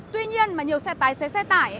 tuy nhiên mà nhiều xe tài xế xe tải